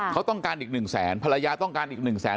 เขาต้องการอีกหนึ่งแสนภรรยาต้องการอีกหนึ่งแสน